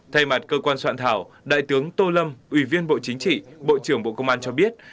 thay mặt cơ quan soạn thảo đại tướng tô lâm ủy viên bộ chính trị bộ trưởng bộ công an cho biết